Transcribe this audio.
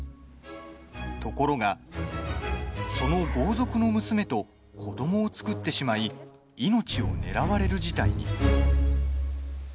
ところが、その豪族の娘と子どもを作ってしまい命を狙われる事態に。